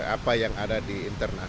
apa yang ada di internal